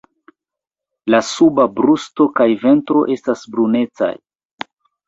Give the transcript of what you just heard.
La suba brusto kaj ventro estas brunecaj.